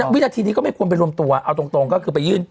วินาทีนี้ก็ไม่ควรไปรวมตัวเอาตรงก็คือไปยื่น